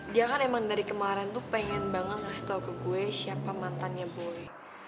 dia kan emang dari kemarin tuh pengen banget ngasih tau ke gue siapa mantannya gue